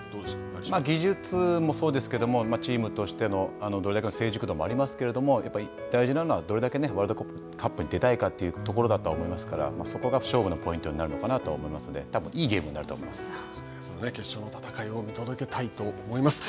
まあ技術もそうですけども、チームとしての成熟度もありますけれどもやっぱり大事なのはどれだけワールドカップに出たいかというところだと思いますから、そこが勝負のポイントになるのかなと思いますので、たぶん、いいゲームにな決勝の戦いを見届いたいと思います。